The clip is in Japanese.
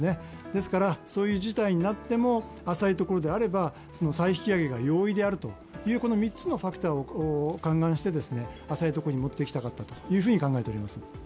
ですから、そういう事態になっても浅いところであれば再引き揚げが容易であるという３つのファクターを勘案して浅いところに持ってきたかったと考えております。